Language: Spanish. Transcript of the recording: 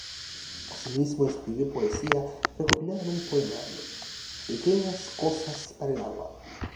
Así mismo escribió poesía, recopilada en un poemario: "Pequeñas cosas para el agua".